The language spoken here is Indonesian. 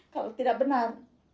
kalau tidak benar